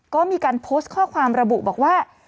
ก็มีการโพสต์ข้อความระบุบอกว่า